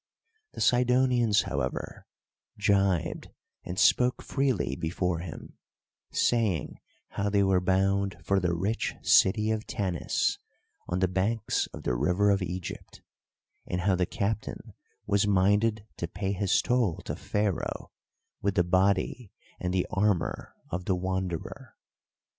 The Sidonians, however, jibed and spoke freely before him, saying how they were bound for the rich city of Tanis, on the banks of the River of Egypt, and how the captain was minded to pay his toll to Pharaoh with the body and the armour of the Wanderer.